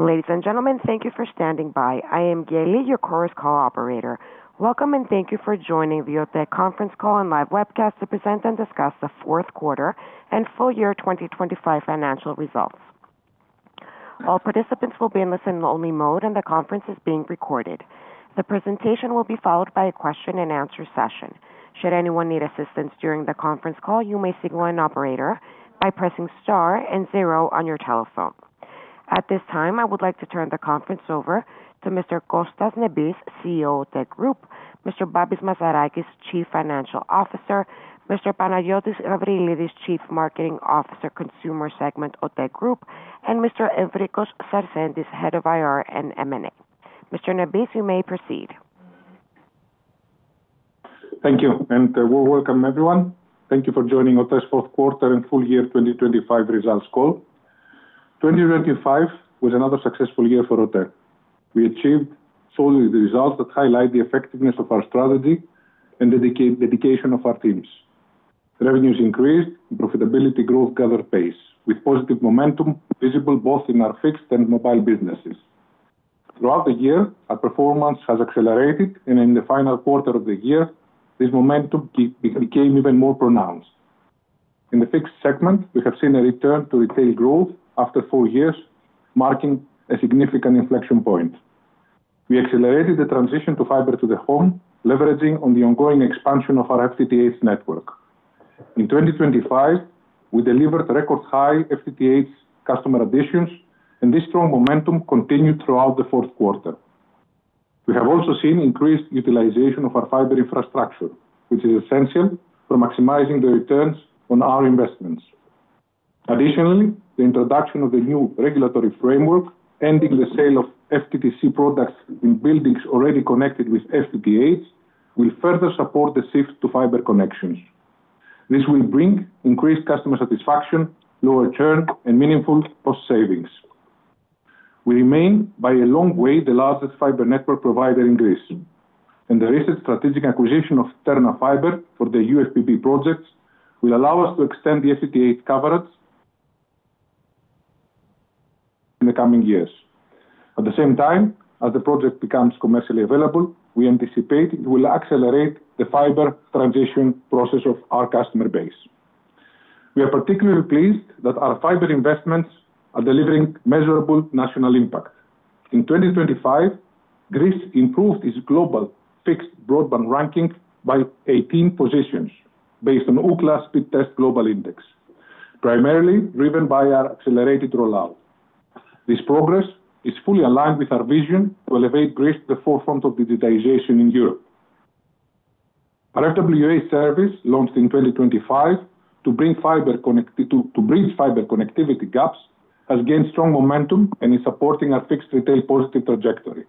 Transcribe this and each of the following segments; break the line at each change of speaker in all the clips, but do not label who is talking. Ladie s and gentlemen, thank you for standing by. I am Gailey, your Chorus Call operator. Welcome and thank you for joining the OTE conference call and live webcast to present and discuss the Q4 and full year 2025 financial results. All participants will be in listen-only mode, and the conference is being recorded. The presentation will be followed by a question and answer session. Should anyone need assistance during the conference call, you may signal an operator by pressing star and zero on your telephone. At this time, I would like to turn the conference over to Mr. Kostas Nebis, CEO of OTE Group, Mr. Charalampos Mazarakis, Chief Financial Officer, Mr. Panayotis Gabrielides, Chief Marketing Officer, Consumer Segment, OTE Group, and Mr. Evrikos Sarsentis, Head of IR and M&A. Mr. Nebis, you may proceed.
Thank you, and, well, welcome, everyone. Thank you for joining OTE's Q4 and full year 2025 results call. 2025 was another successful year for OTE. We achieved solid results that highlight the effectiveness of our strategy and dedication of our teams. Revenues increased and profitability growth gathered pace, with positive momentum visible both in our fixed and mobile businesses. Throughout the year, our performance has accelerated, and in the final quarter of the year, this momentum became even more pronounced. In the fixed segment, we have seen a return to retail growth after four years, marking a significant inflection point. We accelerated the transition to Fiber to the Home, leveraging on the ongoing expansion of our FTTH network. In 2025, we delivered record-high FTTH customer additions, and this strong momentum continued throughout the Q4. We have also seen increased utilization of our fiber infrastructure, which is essential for maximizing the returns on our investments. Additionally, the introduction of the new regulatory framework, ending the sale of FTTC products in buildings already connected with FTTH, will further support the shift to fiber connections. This will bring increased customer satisfaction, lower churn, and meaningful cost savings. We remain, by a long way, the largest fiber network provider in Greece, and the recent strategic acquisition of Terna Fiber for the UFBB projects will allow us to extend the FTTH coverage... in the coming years. At the same time, as the project becomes commercially available, we anticipate it will accelerate the fiber transition process of our customer base. We are particularly pleased that our fiber investments are delivering measurable national impact. In 2025, Greece improved its global fixed broadband ranking by 18 positions based on Ookla Speedtest Global Index, primarily driven by our accelerated rollout. This progress is fully aligned with our vision to elevate Greece to the forefront of digitization in Europe. Our FWA service, launched in 2025 to bring fiber to bridge fiber connectivity gaps, has gained strong momentum and is supporting our fixed retail positive trajectory.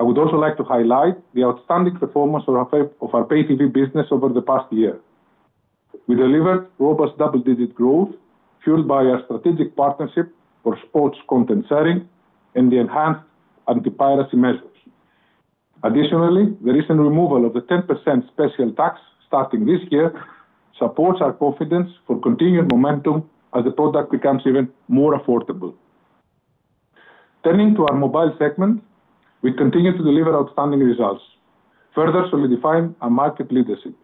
I would also like to highlight the outstanding performance of our Pay TV business over the past year. We delivered robust double-digit growth, fueled by our strategic partnership for sports content sharing and the enhanced anti-piracy measures. The recent removal of the 10% special tax starting this year, supports our confidence for continued momentum as the product becomes even more affordable. Turning to our mobile segment, we continue to deliver outstanding results, further solidifying our market leadership.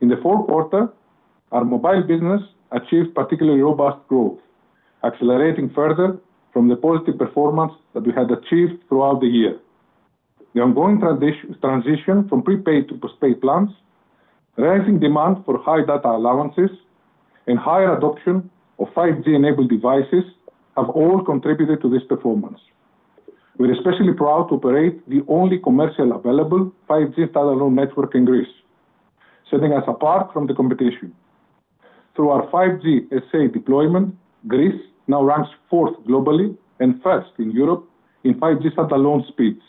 In the Q4, our mobile business achieved particularly robust growth, accelerating further from the positive performance that we had achieved throughout the year. The ongoing transition from prepaid to postpaid plans, rising demand for high data allowances, and higher adoption of 5G-enabled devices have all contributed to this performance. We're especially proud to operate the only commercially available 5G Standalone network in Greece, setting us apart from the competition. Through our 5G SA deployment, Greece now ranks fourth globally and first in Europe in 5G Standalone speeds,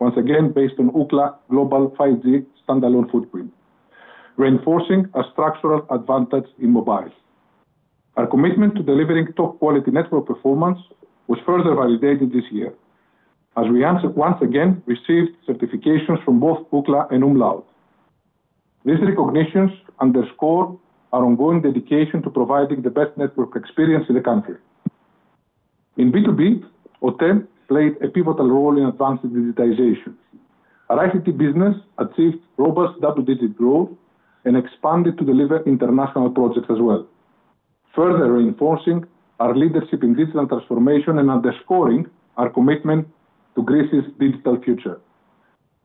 once again, based on Ookla Global 5G Standalone footprint, reinforcing a structural advantage in mobile. Our commitment to delivering top-quality network performance was further validated this year as we once again received certifications from both Ookla and umlaut. These recognitions underscore our ongoing dedication to providing the best network experience in the country. In B2B, OTE played a pivotal role in advancing digitization. Our ICT business achieved robust double-digit growth and expanded to deliver international projects as well, further reinforcing our leadership in digital transformation and underscoring our commitment to Greece's digital future.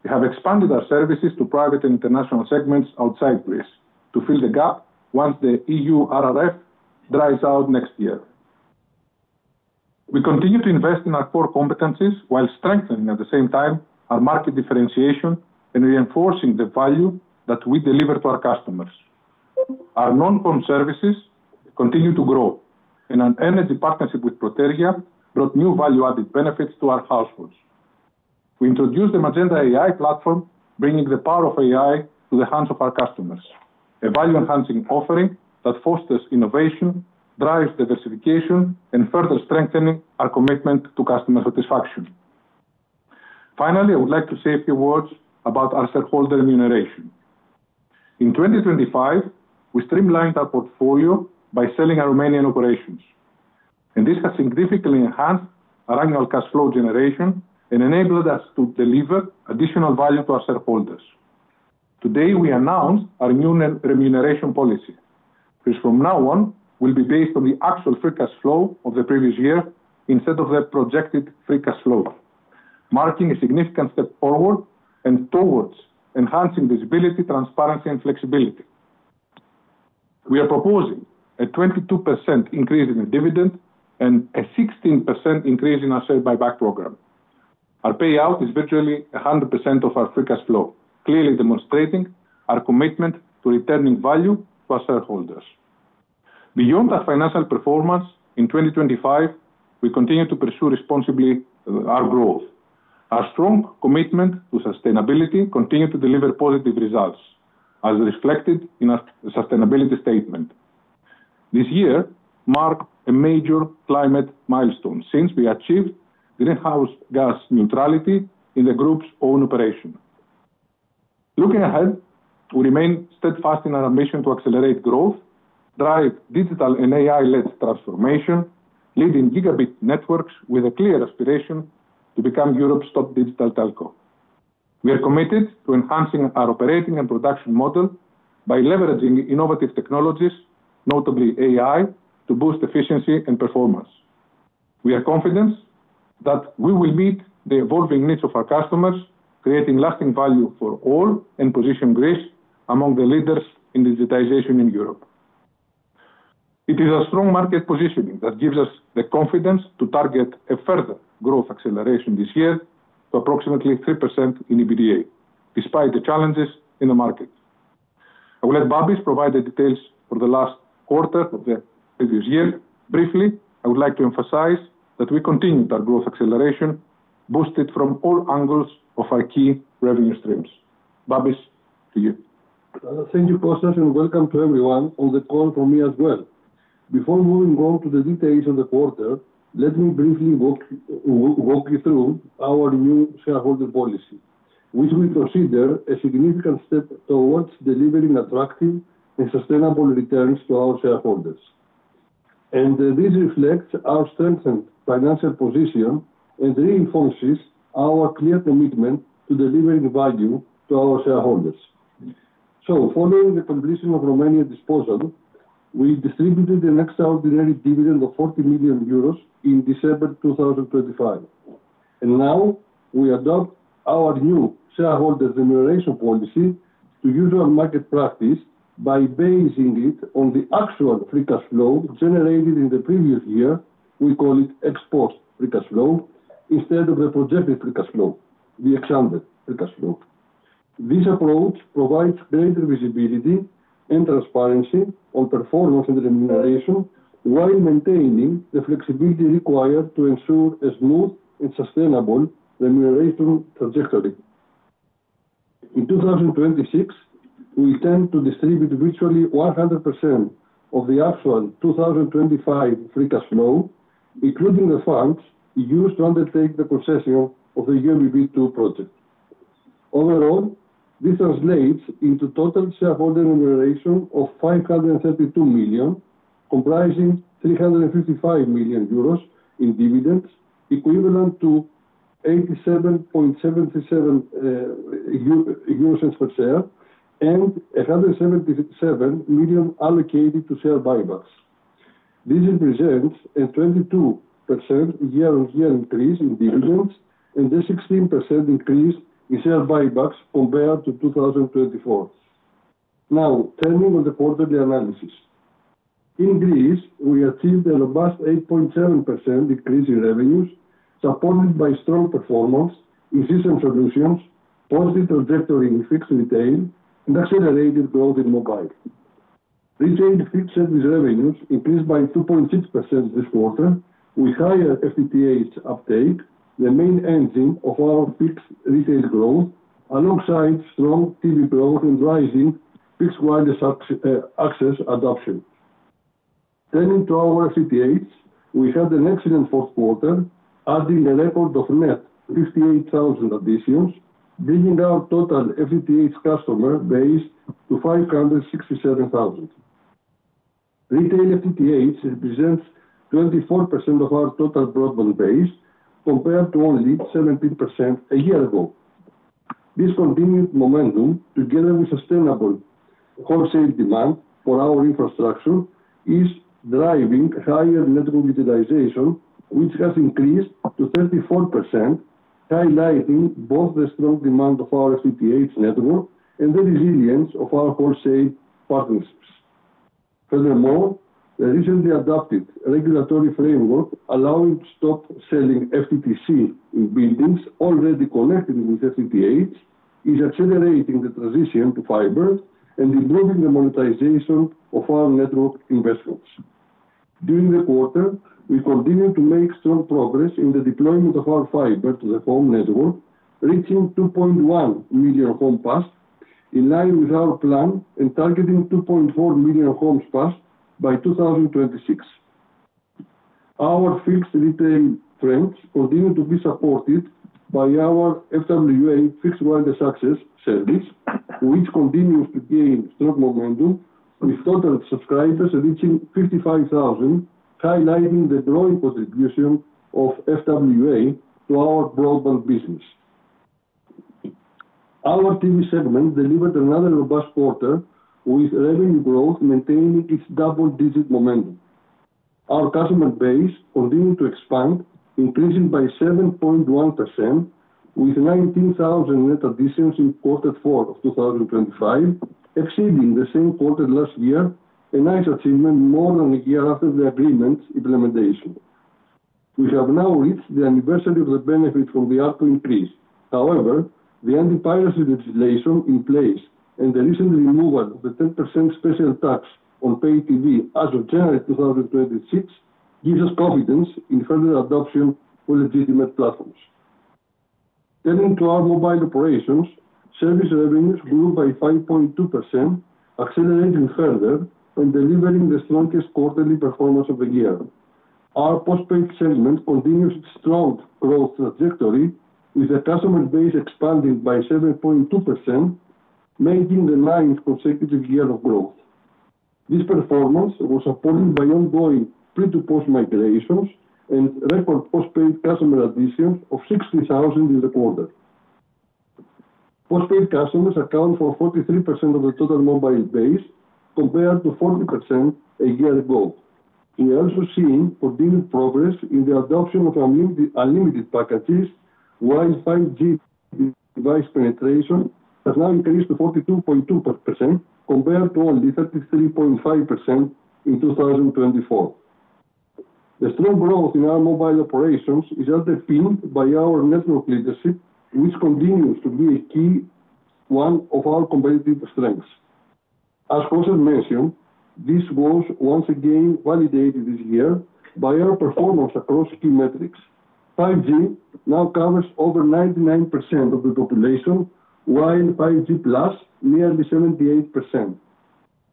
We have expanded our services to private and international segments outside Greece to fill the gap once the EU RRF dries out next year. We continue to invest in our core competencies while strengthening, at the same time, our market differentiation and reinforcing the value that we deliver to our customers. Our non-phone services continue to grow, and an energy partnership with Protergia brought new value-added benefits to our households. We introduced the Magenta AI platform, bringing the power of AI to the hands of our customers, a value-enhancing offering that fosters innovation, drives diversification, and further strengthening our commitment to customer satisfaction.... Finally, I would like to say a few words about our shareholder remuneration. In 2025, we streamlined our portfolio by selling our Romanian operations, and this has significantly enhanced our annual cash flow generation and enabled us to deliver additional value to our shareholders. Today, we announce our new remuneration policy, which from now on will be based on the actual free cash flow of the previous year instead of the projected free cash flow, marking a significant step forward and towards enhancing visibility, transparency, and flexibility. We are proposing a 22% increase in the dividend and a 16% increase in our share buyback program. Our payout is virtually 100% of our free cash flow, clearly demonstrating our commitment to returning value to our shareholders. Beyond our financial performance, in 2025, we continued to pursue responsibly our growth. Our strong commitment to sustainability continued to deliver positive results, as reflected in our sustainability statement. This year marked a major climate milestone, since we achieved greenhouse gas neutrality in the group's own operation. Looking ahead, we remain steadfast in our ambition to accelerate growth, drive digital and AI-led transformation, leading gigabit networks with a clear aspiration to become Europe's top digital telco. We are committed to enhancing our operating and production model by leveraging innovative technologies, notably AI, to boost efficiency and performance. We are confident that we will meet the evolving needs of our customers, creating lasting value for all, and position Greece among the leaders in digitization in Europe. It is a strong market positioning that gives us the confidence to target a further growth acceleration this year to approximately 3% in EBITDA, despite the challenges in the market. I will let Babis provide the details for the last quarter of the previous year. Briefly, I would like to emphasize that we continued our growth acceleration, boosted from all angles of our key revenue streams. Babis, to you.
Thank you, Kostas, and welcome to everyone on the call from me as well. Before moving on to the details of the quarter, let me briefly walk you through our new shareholder policy, which we consider a significant step towards delivering attractive and sustainable returns to our shareholders. This reflects our strengthened financial position and reinforces our clear commitment to delivering value to our shareholders. Following the completion of Romania disposal, we distributed an extraordinary dividend of 40 million euros in December 2025, and now we adopt our new shareholder remuneration policy to usual market practice by basing it on the actual free cash flow generated in the previous year, we call it ex-post free cash flow, instead of the projected free cash flow, the example free cash flow. This approach provides greater visibility and transparency on performance and remuneration, while maintaining the flexibility required to ensure a smooth and sustainable remuneration trajectory. In 2026, we intend to distribute virtually 100% of the actual 2025 free cash flow, including the funds used to undertake the processing of the UFBB project. Overall, this translates into total shareholder remuneration of 532 million, comprising 355 million euros in dividends, equivalent to 0.8777 euros per share, and 177 million allocated to share buybacks. This represents a 22% year-on-year increase in dividends and a 16% increase in share buybacks compared to 2024. Turning on the quarterly analysis. In Greece, we achieved a robust 8.7% increase in revenues, supported by strong performance in system solutions, positive trajectory in fixed retail, and accelerated growth in mobile. Retail fixed service revenues increased by 2.6% this quarter, with higher FTTH uptake, the main engine of our fixed retail growth, alongside strong TV growth and rising fixed wireless access adoption. Turning to our FTTH, we had an excellent Q4, adding a record of net 58,000 additions, bringing our total FTTH customer base to 567,000. Retail FTTH represents 24% of our total broadband base, compared to only 17% a year ago. This continued momentum, together with sustainable wholesale demand for our infrastructure, is driving higher network utilization, which has increased to 34%, highlighting both the strong demand of our FTTH network and the resilience of our wholesale partnerships. The recently adopted regulatory framework, allowing to stop selling FTTC in buildings already connected with FTTH, is accelerating the transition to fiber and improving the monetization of our network investments. During the quarter, we continued to make strong progress in the deployment of our fiber to the home network, reaching 2.1 million home passed, in line with our plan and targeting 2.4 million homes passed by 2026. Our fixed retail trends continue to be supported by our FWA fixed wireless access service, which continues to gain strong momentum, with total subscribers reaching 55,000, highlighting the growing contribution of FWA to our broadband business. Our TV segment delivered another robust quarter, with revenue growth maintaining its double-digit momentum. Our customer base continued to expand, increasing by 7.1%, with 19,000 net additions in quarter four of 2025, exceeding the same quarter last year, a nice achievement more than a year after the agreement's implementation. We have now reached the anniversary of the benefit from the upfront increase. However, the anti-piracy legislation in place and the recent removal of the 10% special tax on pay TV as of January 2026, gives us confidence in further adoption for legitimate platforms. Turning to our mobile operations, service revenues grew by 5.2%, accelerating further and delivering the strongest quarterly performance of the year. Our postpaid segment continues strong growth trajectory, with the customer base expanding by 7.2%, making the ninth consecutive year of growth. This performance was supported by ongoing pre- to post-migrations and record postpaid customer additions of 60,000 in the quarter. Postpaid customers account for 43% of the total mobile base, compared to 40% a year ago. We are also seeing continued progress in the adoption of unlimited packages, while 5G device penetration has now increased to 42.2%, compared to only 33.5% in 2024. The strong growth in our mobile operations is underpinned by our network leadership, which continues to be a key one of our competitive strengths. As José mentioned, this was once again validated this year by our performance across key metrics. 5G now covers over 99% of the population, while 5G+, nearly 78%.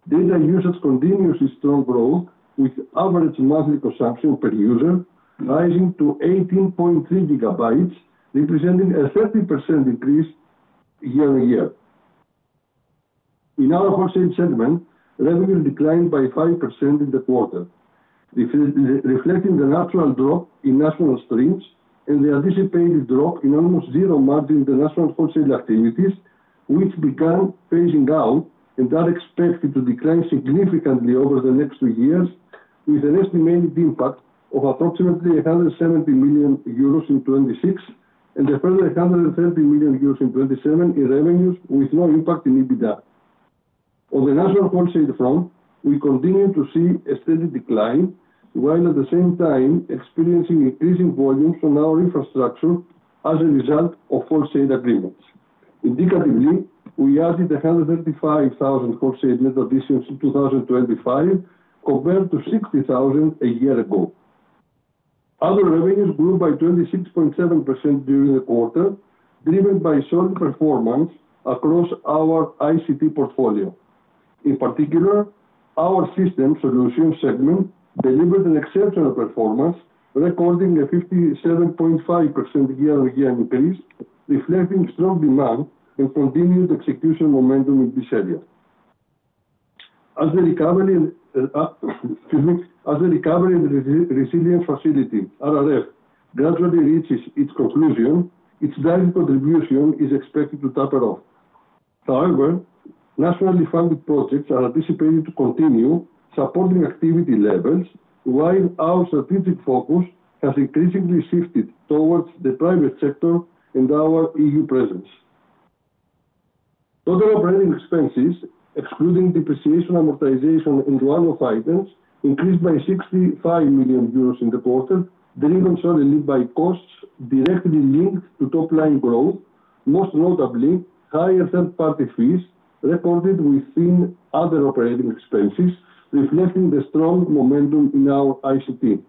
Data usage continues its strong growth, with average monthly consumption per user rising to 18.3 GB, representing a 13% increase year-on-year. In our wholesale segment, revenue declined by 5% in the quarter, reflecting the natural drop in national streams and the anticipated drop in almost zero margin in the national wholesale activities, which began phasing out and are expected to decline significantly over the next two years, with an estimated impact of approximately 170 million euros in 2026, and a further 130 million euros in 2027 in revenues, with no impact in EBITDA. On the national wholesale front, we continue to see a steady decline, while at the same time experiencing increasing volumes from our infrastructure as a result of wholesale agreements. Indicatively, we added 135,000 wholesale net additions in 2025, compared to 60,000 a year ago. Other revenues grew by 26.7% during the quarter, driven by strong performance across our ICT portfolio. In particular, our system solutions segment delivered an exceptional performance, recording a 57.5% year-on-year increase, reflecting strong demand and continued execution momentum in this area. As the recovery and, excuse me, as the Recovery and Resilience Facility, RRF, gradually reaches its conclusion, its direct contribution is expected to taper off. However, nationally funded projects are anticipated to continue supporting activity levels, while our strategic focus has increasingly shifted towards the private sector and our EU presence. Total operating expenses, excluding depreciation, amortization, and one-off items, increased by 65 million euros in the quarter, driven solely by costs directly linked to top-line growth, most notably higher third-party fees recorded within other operating expenses, reflecting the strong momentum in our ICT.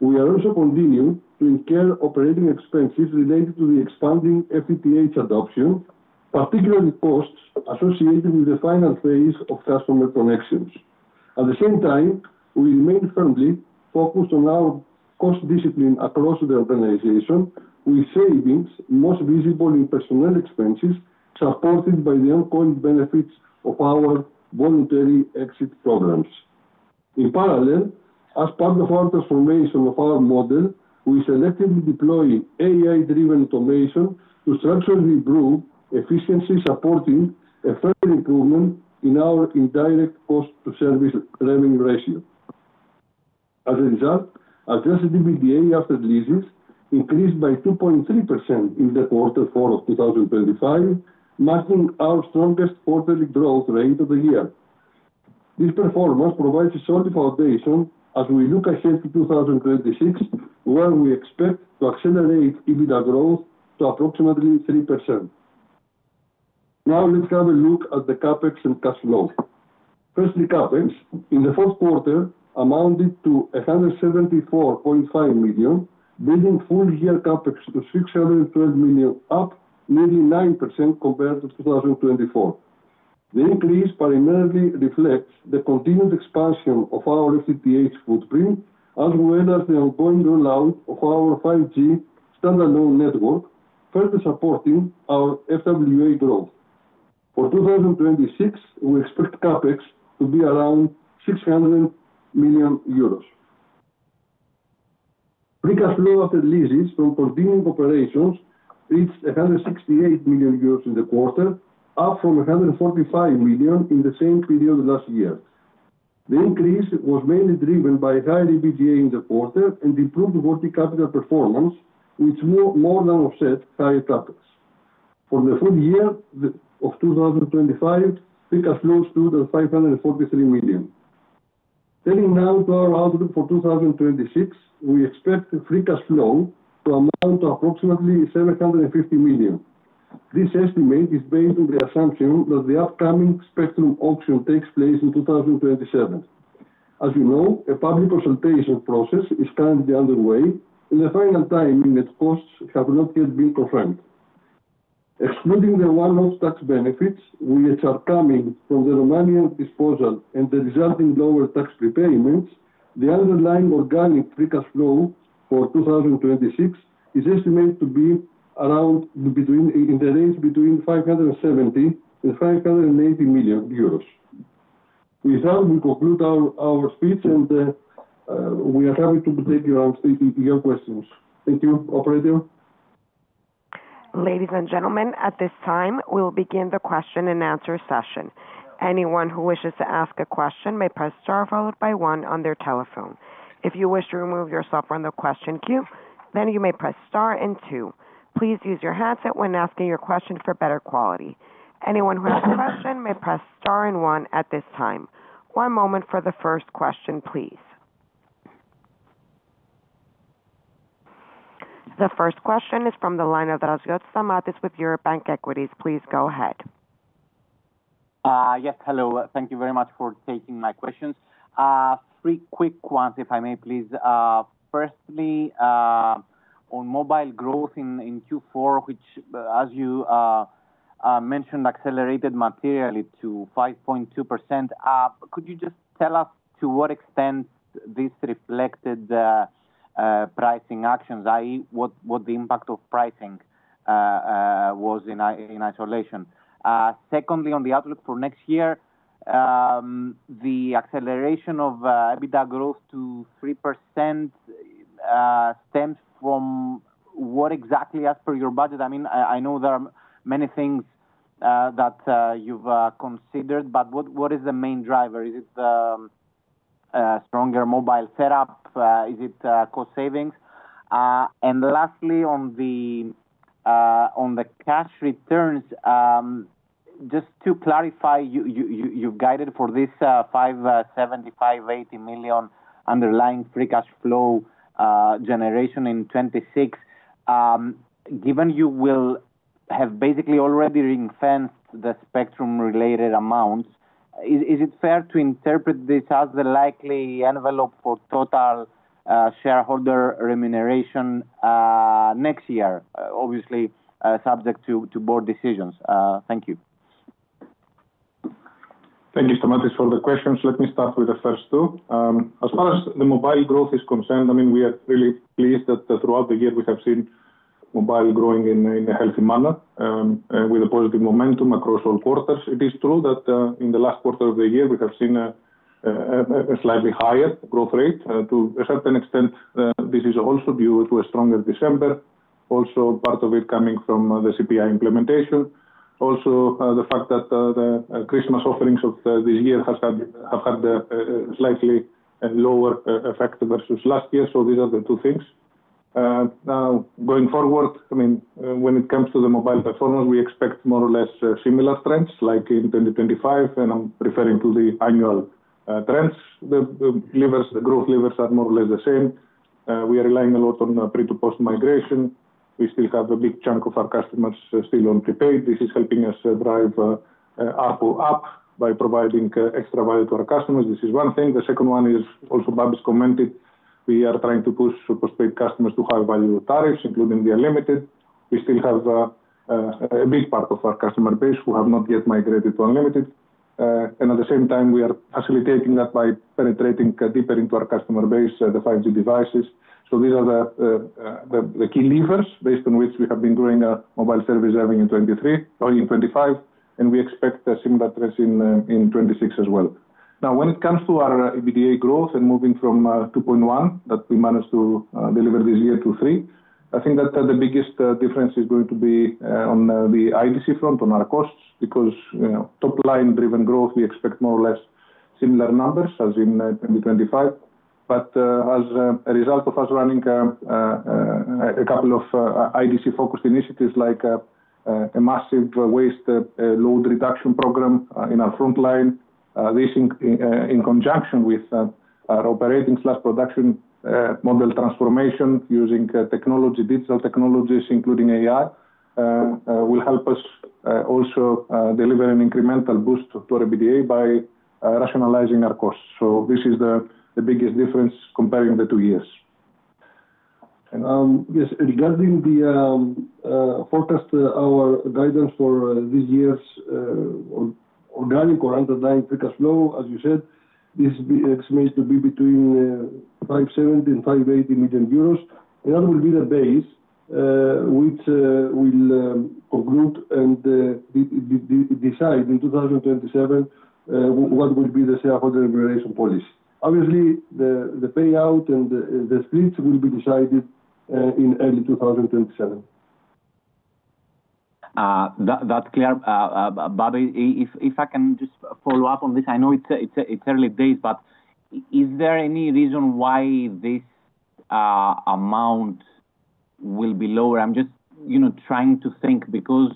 We are also continuing to incur operating expenses related to the expanding FTTH adoption, particularly costs associated with the final phase of customer connections. At the same time, we remain firmly focused on our cost discipline across the organization, with savings most visible in personnel expenses, supported by the ongoing benefits of our voluntary exit programs. In parallel, as part of our transformation of our model, we selectively deploy AI-driven automation to structurally improve efficiency, supporting a further improvement in our indirect cost to service revenue ratio. As a result, Adjusted EBITDA after leases increased by 2.3% in Q4 of 2025, marking our strongest quarterly growth rate of the year. This performance provides a solid foundation as we look ahead to 2026, where we expect to accelerate EBITDA growth to approximately 3%. Let's have a look at the CapEx and cash flow. Firstly, CapEx in the 1st quarter amounted to 174.5 million, bringing full year CapEx to 612 million, up 99% compared to 2024. The increase primarily reflects the continued expansion of our FTTH footprint, as well as the ongoing rollout of our 5G Standalone network, further supporting our FWA growth. For 2026, we expect CapEx to be around 600 million euros. Free cash flow after leases from continuing operations reached 168 million euros in the quarter, up from 145 million in the same period last year. The increase was mainly driven by higher EBITDA in the quarter and improved working capital performance, which more than offset higher CapEx. For the full year of 2025, free cash flow stood at 543 million. Turning now to our outlook for 2026, we expect the free cash flow to amount to approximately 750 million. This estimate is based on the assumption that the upcoming spectrum auction takes place in 2027. As you know, a public consultation process is currently underway, the final timing and costs have not yet been confirmed. Excluding the one-off tax benefits, which are coming from the Romanian disposal and the resulting lower tax repayments, the underlying organic free cash flow for 2026 is estimated to be around between, in the range between 570 million-580 million euros. With that, we conclude our speech, and we are happy to take your questions. Thank you. Operator?
Ladies and gentlemen, at this time, we will begin the question and answer session. Anyone who wishes to ask a question may press star followed by 1 on their telephone. If you wish to remove yourself from the question queue, then you may press star and 2. Please use your headset when asking your question for better quality. Anyone with a question may press star and 1 at this time. One moment for the first question, please. The first question is from the line of Stamatis with Eurobank Equities. Please go ahead.
Yes, hello. Thank you very much for taking my questions. 3 quick ones, if I may please. Firstly, on mobile growth in Q4, which as you mentioned, accelerated materially to 5.2%. Could you just tell us to what extent this reflected the pricing actions, i.e., what the impact of pricing was in isolation? Secondly, on the outlook for next year, the acceleration of EBITDA growth to 3% stems from what exactly as per your budget? I mean, I know there are many things that you've considered, but what is the main driver? Is it the stronger mobile setup? Is it cost savings? Lastly, on the cash returns, just to clarify, you've guided for this 575-80 million underlying free cash flow generation in 2026. Given you will have basically already ring-fenced the spectrum-related amounts, is it fair to interpret this as the likely envelope for total shareholder remuneration next year? Obviously, subject to board decisions. Thank you.
Thank you, Stamatis, for the questions. Let me start with the first two. As far as the mobile growth is concerned, I mean, we are really pleased that throughout the year we have seen mobile growing in a healthy manner with a positive momentum across all quarters. It is true that in the last quarter of the year, we have seen a slightly higher growth rate. To a certain extent, this is also due to a stronger December, also part of it coming from the CPI implementation. Also, the fact that the Christmas offerings of the year have had a slightly lower effect versus last year. These are the two things. Now, going forward, I mean, when it comes to the mobile performance, we expect more or less similar trends like in 2025, and I'm referring to the annual trends. The, the levers, the growth levers are more or less the same. We are relying a lot on pre to post migration. We still have a big chunk of our customers still on prepaid. This is helping us drive ARPU up by providing extra value to our customers. This is one thing. The second one is also, Babis commented, we are trying to push post-paid customers to high-value tariffs, including the unlimited. We still have a big part of our customer base who have not yet migrated to unlimited. At the same time, we are facilitating that by penetrating deeper into our customer base the 5G devices. These are the key levers based on which we have been growing, mobile service revenue in 23, or in 25, and we expect a similar trends in 26 as well. When it comes to our EBITDA growth and moving from, 2.1, that we managed to, deliver this year to 3, I think that the biggest, difference is going to be, on the IDC front, on our costs, because, you know, top line driven growth, we expect more or less similar numbers as in 2025. As a result of us running a couple of IDC-focused initiatives like a massive waste load reduction program in our frontline, this in conjunction with our operating/production model transformation using technology, digital technologies, including AI, will help us also deliver an incremental boost to our EBITDA by rationalizing our costs. This is the biggest difference comparing the two years.
Yes, regarding the forecast, our guidance for this year's or organic or underlying free cash flow, as you said, this estimates to be between 570 million euros and 580 million euros. That will be the base which will conclude and decide in 2027 what will be the shareholder generation policy. Obviously, the payout and the, and the split will be decided, in early 2027.
That's clear. Bobby, if I can just follow up on this. I know it's early days, but is there any reason why this amount will be lower? I'm just, you know, trying to think because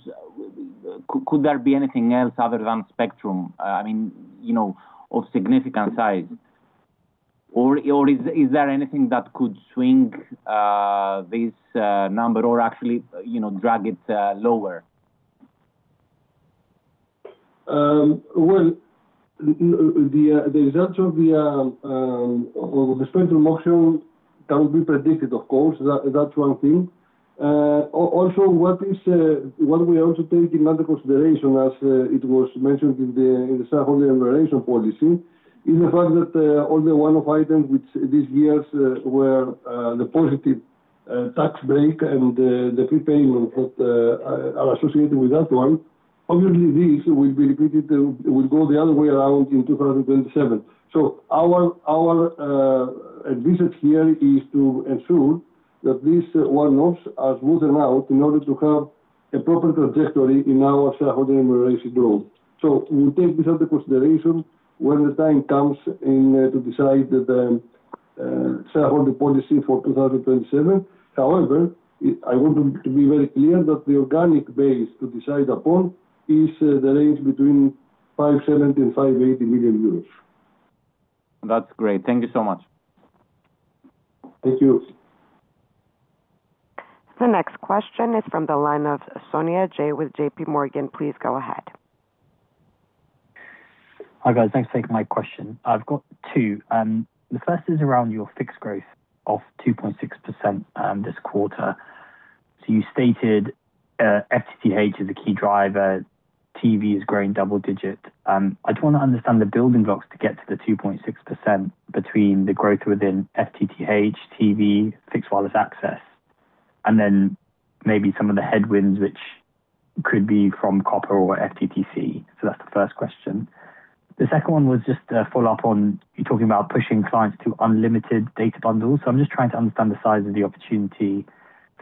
could there be anything else other than spectrum, I mean, you know, of significant size? Is there anything that could swing this number or actually, you know, drag it lower?
Well, the result of the spectrum auction can be predicted, of course, that's one thing. Also what is what we also take into consideration, as it was mentioned in the shareholder generation policy, is the fact that all the one-off items which these years were the positive tax break and the prepayment that are associated with that one, obviously, this will be repeated. It will go the other way around in 2027. Our advice here is to ensure that this one-offs are smoothed out in order to have a proper trajectory in our shareholder generation growth. We take this under consideration when the time comes in to decide the shareholder policy for 2027. I want to be very clear that the organic base to decide upon is the range between 570 million and 580 million euros.
That's great. Thank you so much.
Thank you.
The next question is from the line of Sonia Jay with JPMorgan. Please go ahead.
Hi, guys. Thanks for taking my question. I've got two. The first is around your fixed growth of 2.6% this quarter. You stated, FTTH is a key driver, TV is growing double-digit. I just want to understand the building blocks to get to the 2.6% between the growth within FTTH, TV, fixed wireless access, and then maybe some of the headwinds, which could be from copper or FTTC. That's the first question. The second one was just a follow-up on, you talking about pushing clients to unlimited data bundles. I'm just trying to understand the size of the opportunity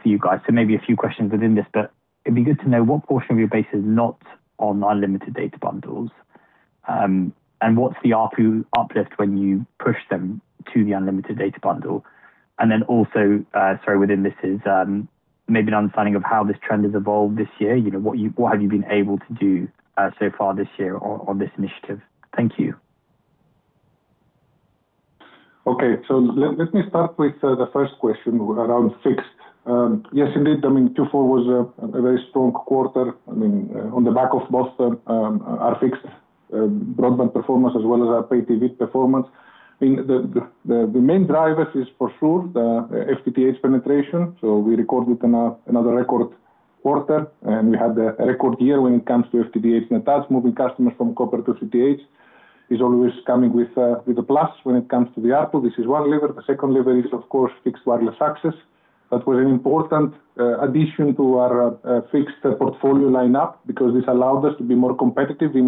for you guys. Maybe a few questions within this, but it'd be good to know what portion of your base is not on unlimited data bundles. What's the ARPU uplift when you push them to the unlimited data bundle? Also, sorry, within this is, maybe an understanding of how this trend has evolved this year. You know, what have you been able to do so far this year on this initiative? Thank you.
Okay. Let me start with the first question around fixed. Yes, indeed, I mean, Q4 was a very strong quarter. I mean, on the back of most of our fixed broadband performance as well as our pay TV performance. I mean, the main drivers is for sure the FTTH penetration. We recorded another record quarter, and we had a record year when it comes to FTTH attachments. Moving customers from copper to FTTH is always coming with a plus when it comes to the ARPU. This is one level. The second level is, of course, fixed wireless access. That was an important addition to our fixed portfolio lineup, because this allowed us to be more competitive in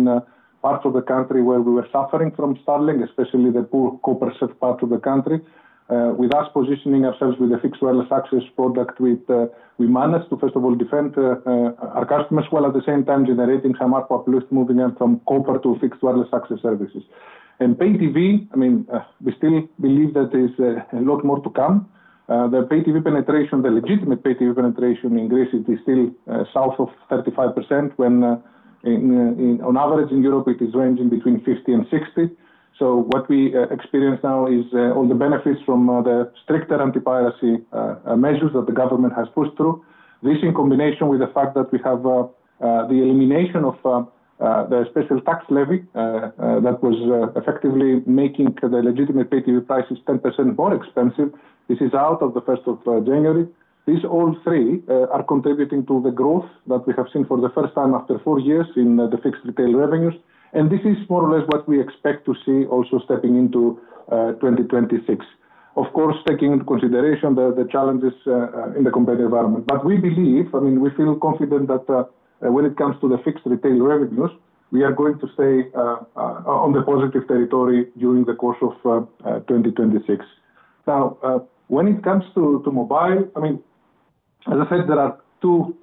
parts of the country where we were suffering from starting, especially the poor copper served parts of the country. With us positioning ourselves with a fixed wireless access product, we managed to, first of all, defend our customers, while at the same time generating some ARPU uplift, moving them from copper to fixed wireless access services. In pay TV, I mean, we still believe that there's a lot more to come. The pay TV penetration, the legitimate pay TV penetration in Greece, it is still south of 35%, when on average, in Europe, it is ranging between 50% and 60%. What we experience now is all the benefits from the stricter anti-piracy measures that the government has pushed through. This, in combination with the fact that we have the elimination of the special tax levy that was effectively making the legitimate pay TV prices 10% more expensive. This is out of the 1st of January. These all three are contributing to the growth that we have seen for the first time after four years in the fixed retail revenues, and this is more or less what we expect to see also stepping into 2026. Of course, taking into consideration the challenges in the competitive environment. I mean, we feel confident that when it comes to the fixed retail revenues, we are going to stay on the positive territory during the course of 2026. Now, when it comes to mobile, I mean, as I said, there are two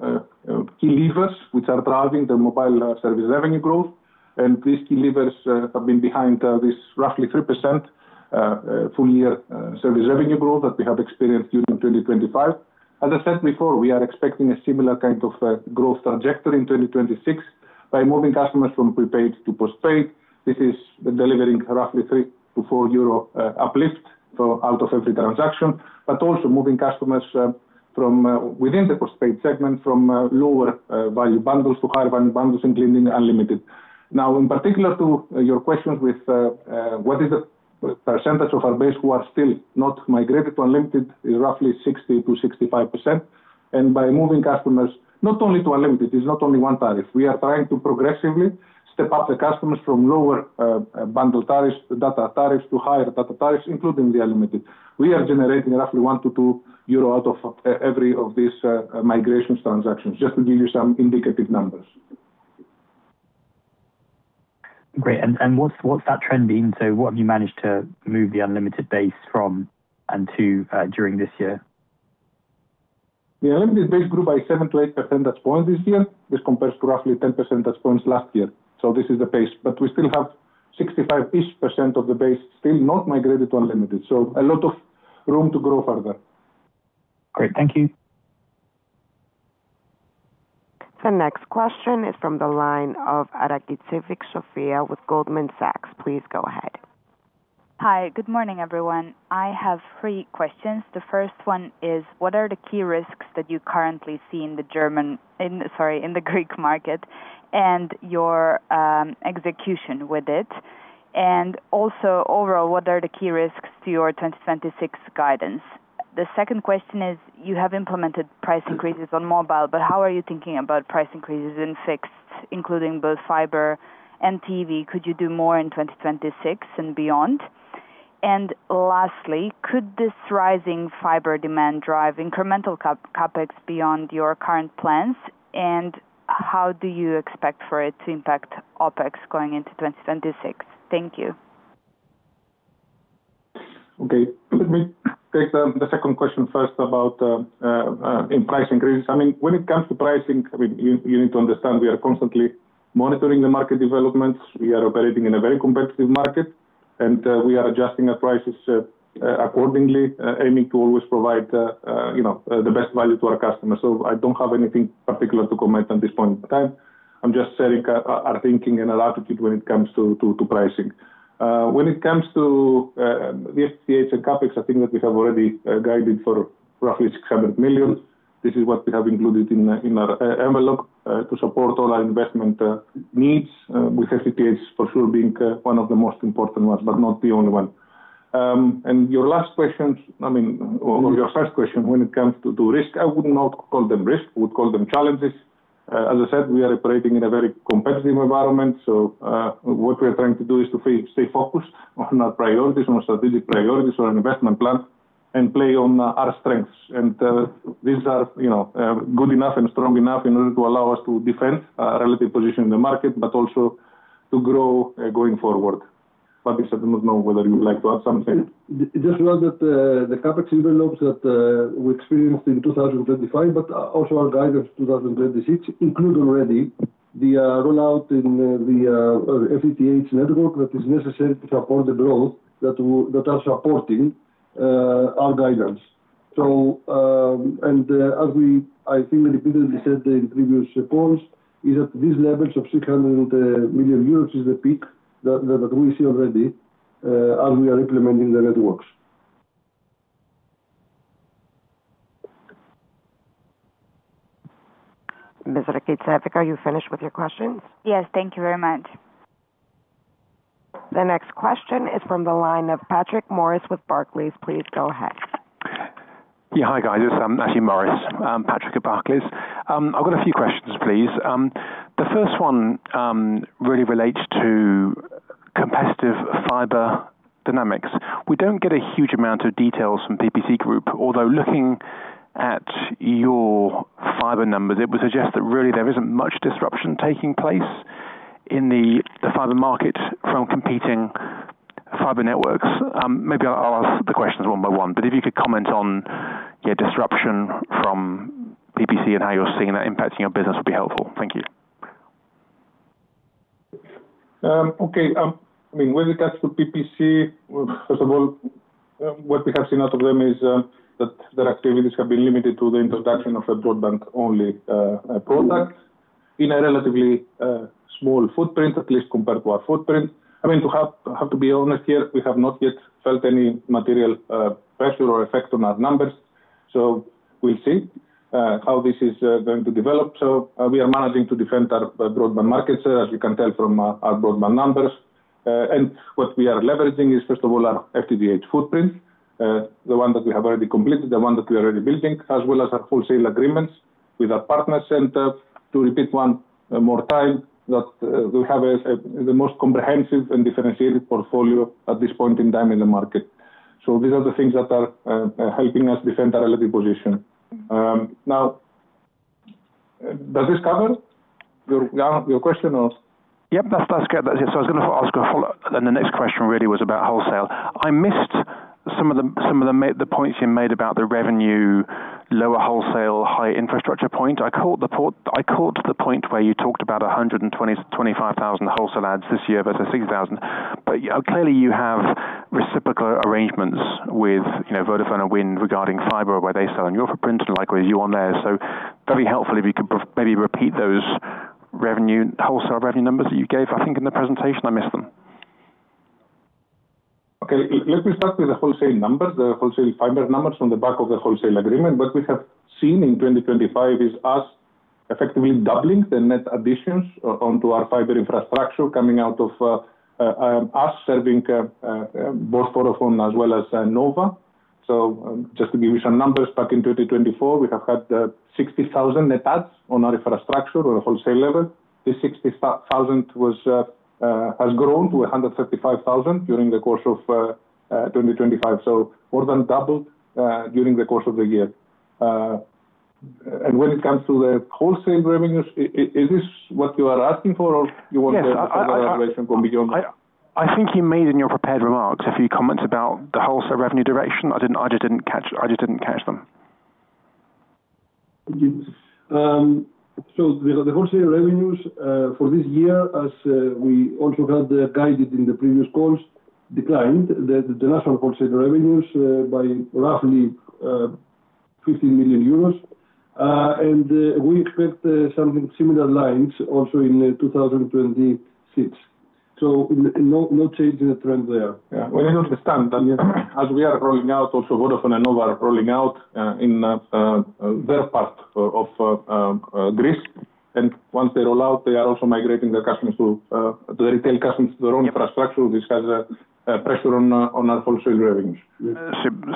key levers which are driving the mobile service revenue growth, and these key levers have been behind this roughly 3% full year service revenue growth that we have experienced during 2025. As I said before, we are expecting a similar kind of growth trajectory in 2026 by moving customers from prepaid to postpaid. This is delivering roughly 3-4 euro uplift, so out of every transaction, but also moving customers, um- from within the postpaid segment, from lower value bundles to higher value bundles, including unlimited. Now, in particular to your question with what is the percentage of our base who are still not migrated to unlimited, is roughly 60%-65%. By moving customers, not only to unlimited, it's not only one tariff. We are trying to progressively step up the customers from lower bundle tariff, data tariff, to higher data tariffs, including the unlimited. We are generating roughly 1-2 euro out of every of these migrations transactions, just to give you some indicative numbers.
Great. What's that trend been? What have you managed to move the unlimited base from and to, during this year?
The unlimited base grew by 7-8 percentage points this year. This compares to roughly 10 percentage points last year, so this is the base. We still have 65-ish% of the base still not migrated to unlimited, so a lot of room to grow further.
Great, thank you.
The next question is from the line of Sofia Rakic with Goldman Sachs. Please go ahead.
Hi. Good morning, everyone. I have three questions. The first one is, what are the key risks that you currently see in, sorry, in the Greek market, and your execution with it? Overall, what are the key risks to your 2026 guidance? The second question is, you have implemented price increases on mobile, how are you thinking about price increases in fixed, including both fiber and TV? Could you do more in 2026 and beyond? Lastly, could this rising fiber demand drive incremental CapEx beyond your current plans, and how do you expect for it to impact OpEx going into 2026? Thank you.
Okay. Let me take the second question first about in price increases. I mean, when it comes to pricing, I mean, you need to understand we are constantly monitoring the market developments. We are operating in a very competitive market, and we are adjusting our prices accordingly, aiming to always provide, you know, the best value to our customers. I don't have anything particular to comment on this point in time. I'm just sharing our thinking and our attitude when it comes to pricing. When it comes to the CapEx and OpEx, I think that we have already guided for roughly 600 million. This is what we have included in in our e-envelope to support all our investment needs with FTTH for sure being one of the most important ones, but not the only one. Your last question, I mean, or your first question, when it comes to risk, I would not call them risk, we would call them challenges. As I said, we are operating in a very competitive environment. What we are trying to do is to stay focused on our priorities, on our strategic priorities, on our investment plan, and play on our strengths. These are, you know, good enough and strong enough in order to allow us to defend our relative position in the market, but also to grow going forward. Babis, I do not know whether you would like to add something.
Just to add that, the CapEx envelopes that we experienced in 2025, but also our guidance 2026, include already the rollout in the FTTH network that is necessary to support the growth that we, that are supporting our guidance. As we, I think, repeatedly said in previous reports, is that these levels of 600 million euros is the peak that we see already, as we are implementing the networks.
Ms. Rakic, are you finished with your questions?
Yes, thank you very much.
The next question is from the line of Patrick Morris with Barclays. Please go ahead.
Yeah. Hi, guys. It's Matthew Morris, Patrick at Barclays. I've got a few questions, please. The first one really relates to competitive fiber dynamics. We don't get a huge amount of details from PPC, although looking at your fiber numbers, it would suggest that really there isn't much disruption taking place in the fiber market from competing fiber networks. Maybe I'll ask the questions one by one, but if you could comment on, yeah, disruption from PPC and how you're seeing that impacting your business would be helpful. Thank you.
Okay. I mean, when it comes to PPC, well, first of all, what we have seen out of them is that their activities have been limited to the introduction of a broadband-only product in a relatively small footprint, at least compared to our footprint. I mean, to be honest here, we have not yet felt any material pressure or effect on our numbers, so we'll see how this is going to develop. We are managing to defend our broadband markets, as you can tell from our broadband numbers. What we are leveraging is, first of all, our FTTH footprint, the one that we have already completed, the one that we are already building, as well as our wholesale agreements with our partners, to repeat one more time, that we have the most comprehensive and differentiated portfolio at this point in time in the market. These are the things that are helping us defend our relative position. Now, does this cover your question or?
Yep, that's good. I was gonna ask a follow-up, and the next question really was about wholesale. I missed some of the points you made about the revenue, lower wholesale, high infrastructure point. I caught the point where you talked about 120,000-125,000 wholesale adds this year versus 60,000, but clearly you have reciprocal arrangements with, you know, Vodafone and Wind regarding fiber, where they sell on your footprint and likewise you on there. Very helpful if you could maybe repeat those revenue, wholesale revenue numbers that you gave, I think, in the presentation. I missed them.
Okay, let me start with the wholesale numbers, the wholesale fiber numbers on the back of the wholesale agreement. What we have seen in 2025 is us effectively doubling the net additions onto our fiber infrastructure coming out of us serving both Vodafone as well as Nova. Just to give you some numbers, back in 2024, we have had 60,000 net adds on our infrastructure on a wholesale level. This 60,000 has grown to 135,000 during the course of 2025. More than doubled during the course of the year. When it comes to the wholesale revenues, is this what you are asking for, or you want the?
Yes, I.
From beyond?
I think you made in your prepared remarks a few comments about the wholesale revenue direction. I just didn't catch them.
You. So the wholesale revenues for this year, as we also had guided in the previous calls, declined, the national wholesale revenues by roughly 50 million euros. And we expect something similar lines also in 2026. So no change in the trend there. Well, I understand. As we are rolling out, also Vodafone and Nova are rolling out in their part of Greece, and once they roll out, they are also migrating their customers to the retail customers to their own infrastructure. This has a pressure on our, on our wholesale revenues.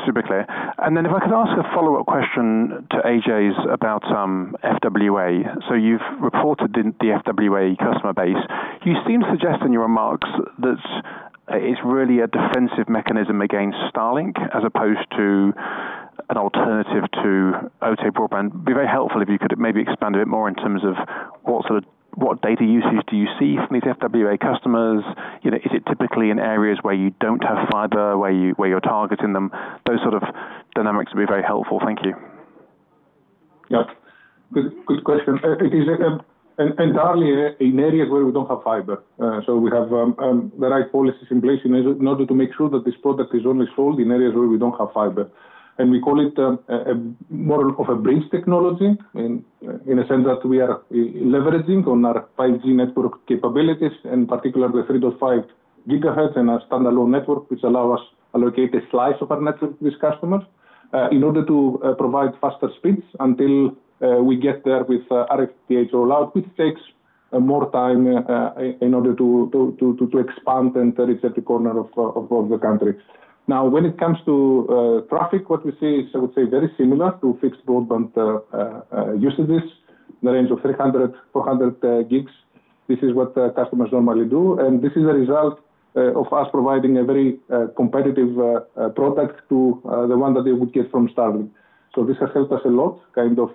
super clear. If I could ask a follow-up question to Kostas' about FWA. You've reported in the FWA customer base. You seem to suggest in your remarks that it's really a defensive mechanism against Starlink, as opposed to an alternative to OTE broadband. It'd be very helpful if you could maybe expand a bit more in terms of what sort of, what data usage do you see from these FWA customers? You know, is it typically in areas where you don't have fiber, where you're targeting them? Those sort of dynamics would be very helpful. Thank you.
Yeah. Good, good question. It is entirely in areas where we don't have fiber. We have the right policies in place in order to make sure that this product is only sold in areas where we don't have fiber. We call it a more of a bridge technology, in a sense that we are leveraging on our 5G network capabilities, in particular, the 3.5 GHz and our standalone network, which allow us allocate a slice of our network to these customers, in order to provide faster speeds until we get there with FTTH rollout, which takes more time in order to expand and reach every corner of the country. When it comes to traffic, what we see is, I would say, very similar to fixed broadband usages, in the range of 300, 400 gigs. This is what customers normally do, and this is a result of us providing a very competitive product to the one that they would get from Starlink. This has helped us a lot, kind of,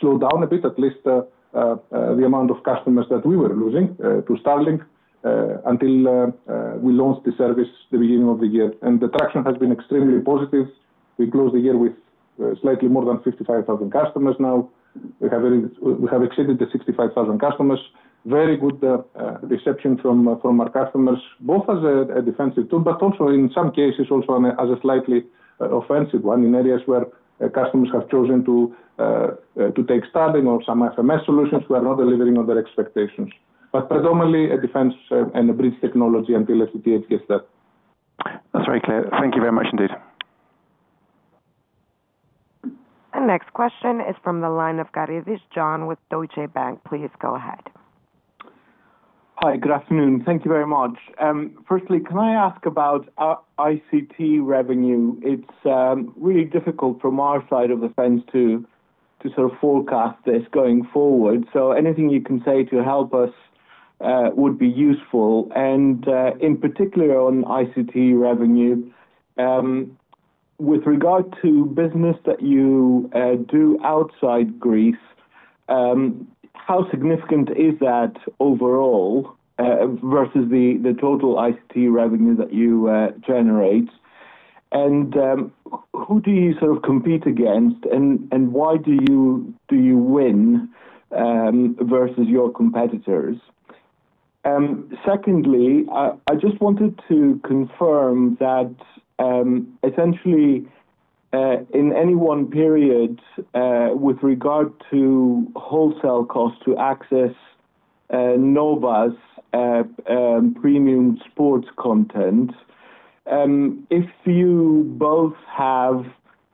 slow down a bit, at least, the amount of customers that we were losing to Starlink until we launched the service the beginning of the year. The traction has been extremely positive. We closed the year with slightly more than 55,000 customers now. We have exceeded the 65,000 customers. Very good, reception from our customers, both as a defensive tool, but also in some cases, also as a slightly offensive one, in areas where customers have chosen to take Starlink or some FMS solutions who are not delivering on their expectations. Predominantly a defense, and a bridge technology until FTTH gets there.
That's very clear. Thank you very much indeed.
The next question is from the line of John Karizis with Deutsche Bank. Please go ahead.
Hi, good afternoon. Thank you very much. Firstly, can I ask about our ICT revenue? It's really difficult from our side of the fence to sort of forecast this going forward. Anything you can say to help us would be useful. In particular, on ICT revenue, with regard to business that you do outside Greece, how significant is that overall versus the total ICT revenue that you generate? Who do you sort of compete against, and why do you win versus your competitors? Secondly, I just wanted to confirm that, essentially, in any one period, with regard to wholesale costs to access Nova's premium sports content, if you both have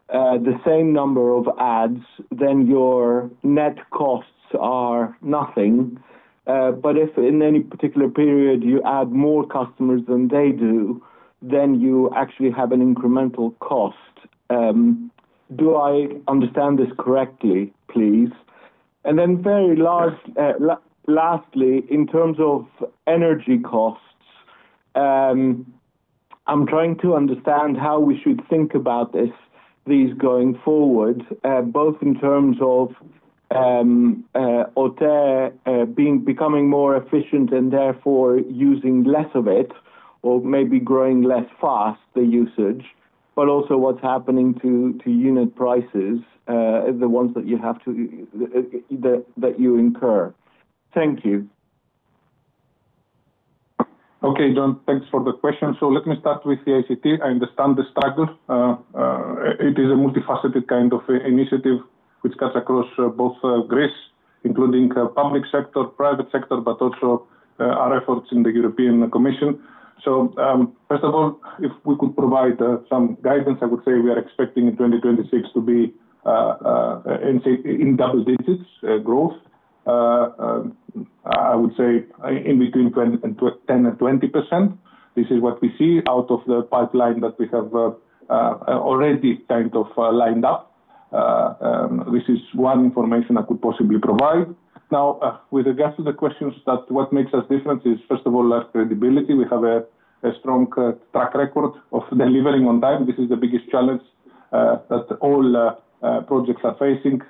the same number of ads, then your net costs are nothing, but if in any particular period you add more customers than they do, then you actually have an incremental cost. Do I understand this correctly, please? Lastly, in terms of energy costs, I'm trying to understand how we should think about this going forward, both in terms of OTE being, becoming more efficient and therefore using less of it, or maybe growing less fast, the usage, but also what's happening to unit prices, the ones that you have to that you incur. Thank you.
Okay, John, thanks for the question. Let me start with the ICT. I understand the struggle. It is a multifaceted kind of initiative, which cuts across both Greece, including public sector, private sector, but also our efforts in the European Commission. First of all, if we could provide some guidance, I would say we are expecting in 2026 to be in, say, in double digits growth. I would say in between 10 and 20%. This is what we see out of the pipeline that we have already kind of lined up. This is one information I could possibly provide. With regards to the questions that what makes us different is, first of all, our credibility. We have a strong track record of delivering on time. This is the biggest challenge that all projects are facing.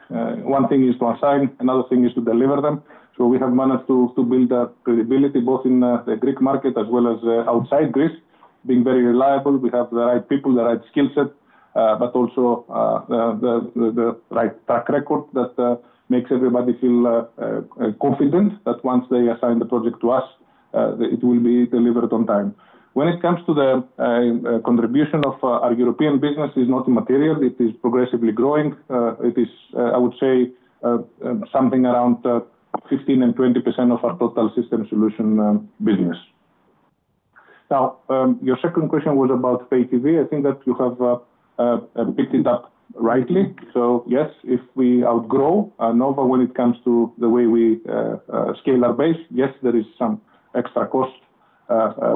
One thing is to assign, another thing is to deliver them. We have managed to build up credibility, both in the Greek market as well as outside Greece. Being very reliable, we have the right people, the right skill set, but also the right track record that makes everybody feel confident that once they assign the project to us, it will be delivered on time. When it comes to the contribution of our European business, is not material. It is progressively growing. It is I would say something around 15%-20% of our total system solution business. Your second question was about pay TV. I think that you have picked it up rightly. Yes, if we outgrow, and over when it comes to the way we scale our base, yes, there is some extra cost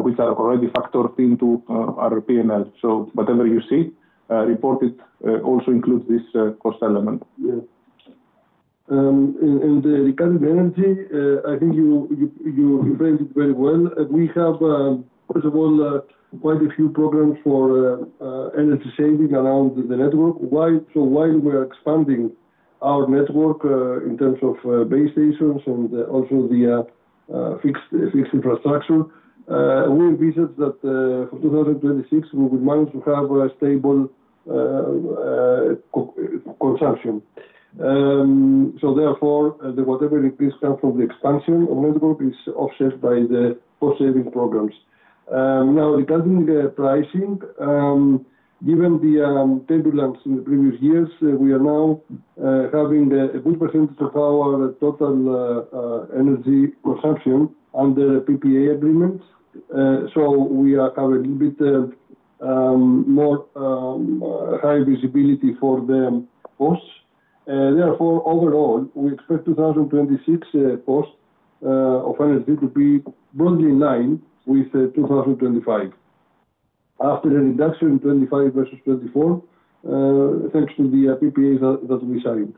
which are already factored into our P&L. Whatever you see reported also includes this cost element.
Yeah. Regarding the energy, I think you framed it very well. We have, first of all, quite a few programs for energy saving around the network. While we are expanding our network in terms of base stations and also the fixed infrastructure, we envisage that for 2026, we will manage to have a stable co- consumption. Therefore, the whatever increase comes from the expansion of network is offset by the cost saving programs. Now, regarding the pricing, given the turbulence in the previous years, we are now having a good percentage of our total energy consumption under PPA agreements. We are covered with more high visibility for the costs. Therefore, overall, we expect 2026 cost of energy to be broadly in line with 2025. After a reduction in 25 versus 24, thanks to the PPAs that we signed.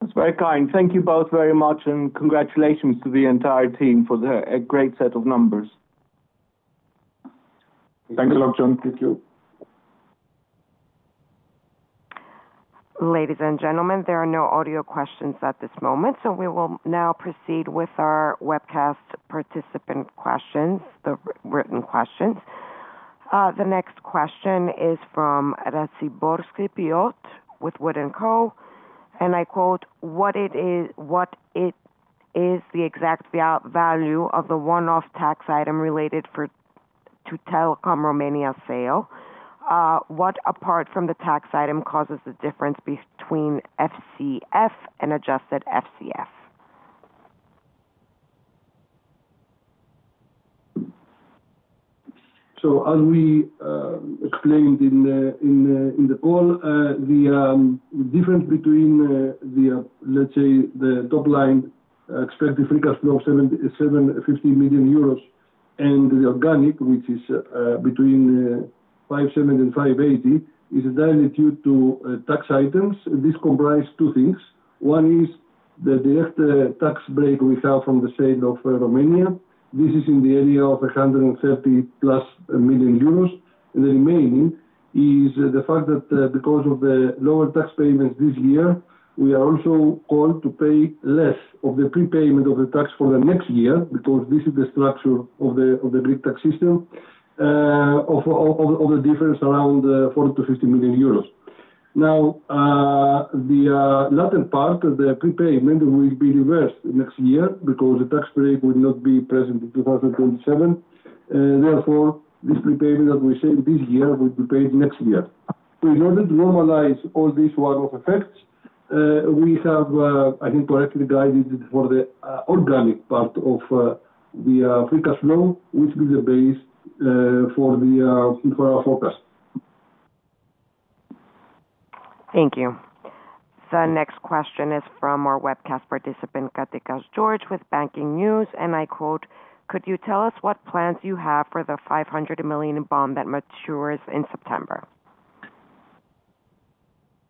That's very kind. Thank you both very much. Congratulations to the entire team for the great set of numbers.
Thank you.
Thanks a lot, John. Thank you.
Ladies and gentlemen, there are no audio questions at this moment, so we will now proceed with our webcast participant questions, the written questions. The next question is from Piotr Raciborski with Wood & Co. I quote, "What it is the exact value of the one-off tax item related to Telekom Romania sale? What, apart from the tax item, causes the difference between FCF and adjusted FCF?
As we explained in the call, the difference between the, let's say, the top line expected free cash flow, 750 million euros, and the organic, which is between 570 million and 580 million, is directly due to tax items. This comprise two things. One is the direct tax break we have from the sale of Romania. This is in the area of 150+ million euros. The remaining is the fact that because of the lower tax payments this year, we are also called to pay less of the prepayment of the tax for the next year, because this is the structure of the Greek tax system, of a difference around 40 million-50 million euros. The latter part of the prepayment will be reversed next year because the tax break will not be present in 2027. This prepayment, as we said, this year will be paid next year. In order to normalize all these one-off effects, we have, I think, correctly guided for the organic part of the free cash flow, which is the base for the for our forecast.
Thank you. The next question is from our webcast participant, George Katsikas, with Banking News. I quote, "Could you tell us what plans you have for the 500 million bond that matures in September?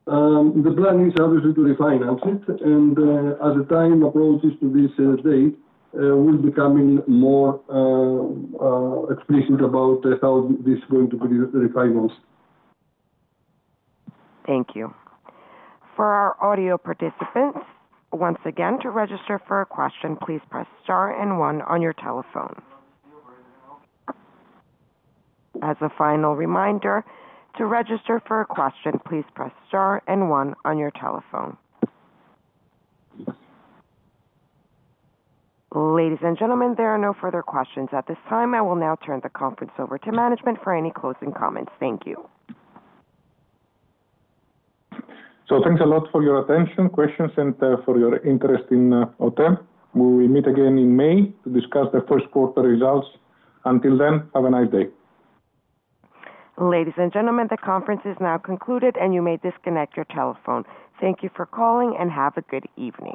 The plan is obviously to refinance it, and as the time approaches to this date, we'll be coming more explicit about how this is going to be refinanced.
Thank you. For our audio participants, once again, to register for a question, please press star and one on your telephone. As a final reminder, to register for a question, please press star and one on your telephone. Ladies and gentlemen, there are no further questions at this time. I will now turn the conference over to management for any closing comments. Thank you.
Thanks a lot for your attention, questions, and for your interest in OTE. We will meet again in May to discuss the Q1 results. Until then, have a nice day.
Ladies and gentlemen, the conference is now concluded and you may disconnect your telephone. Thank you for calling and have a good evening.